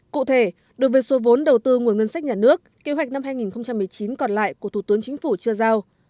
cụ thể đối với số vốn đầu tư nguồn ngân sách nhà nước kế hoạch năm hai nghìn một mươi chín còn lại của thủ tướng chính phủ chưa giao